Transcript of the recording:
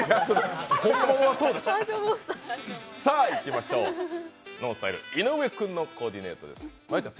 本物はそうです、ＮＯＮＳＴＹＬＥ井上君のコーディネートです。